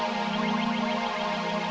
sampai jumpa lagi